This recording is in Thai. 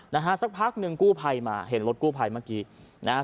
นะฮะสักพักหนึ่งกู้ภัยมาเห็นรถกู้ภัยเมื่อกี้นะฮะ